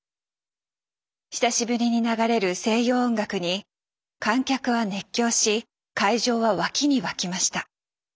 久しぶりに流れる西洋音楽に観客は熱狂し会場は沸きに沸きました。